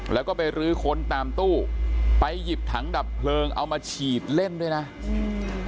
แล้วก็ไปรื้อค้นตามตู้ไปหยิบถังดับเพลิงเอามาฉีดเล่นด้วยนะอืม